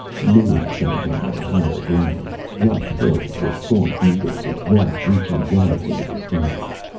Noon found him on higher ground, rough hills with gaunt needles of rock reaching yards into the sky.